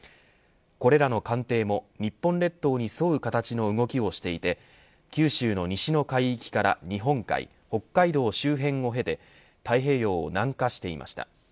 これらの艦艇も日本列島に沿う形の動きをしていて九州の西の海域から日本海、北海道周辺を経て太平洋を南下していました。